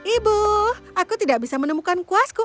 ibu aku tidak bisa menemukan kuasku